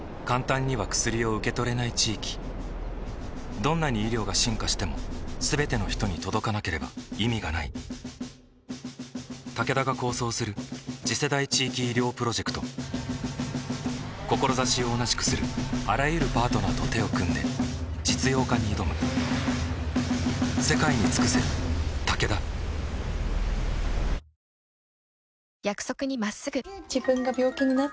どんなに医療が進化しても全ての人に届かなければ意味がないタケダが構想する次世代地域医療プロジェクト志を同じくするあらゆるパートナーと手を組んで実用化に挑む走行中の電車。